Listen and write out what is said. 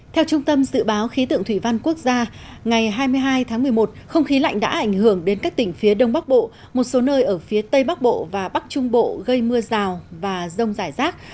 theo trung tâm dự báo khí tượng thủy văn quốc gia ngày hai mươi hai tháng một mươi một không khí lạnh đã ảnh hưởng đến các tỉnh phía đông bắc bộ một số nơi ở phía tây bắc bộ và bắc trung bộ gây mưa rào và rông rải rác